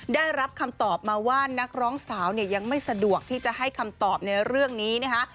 ได้รับคำตอบมาว่านักร้องสาวเนี่ยยังไม่สะดวกที่จะให้คำตอบในเรื่องนี้นะคะ